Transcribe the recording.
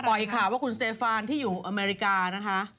อีกข่าวว่าคุณสเตฟานที่อยู่อเมริกานะคะ